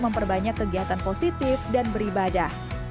memperbanyak kegiatan positif dan beribadah